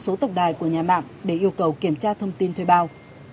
cách bốn gọi theo số tộc đài của nhà mạng để yêu cầu kiểm tra thông tin thuê bao